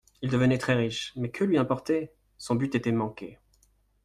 Il devenait très riche, mais que lui importait ? son but était manqué.